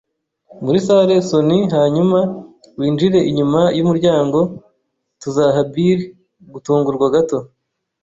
muri salle, sonny, hanyuma winjire inyuma yumuryango, tuzaha Bill gutungurwa gato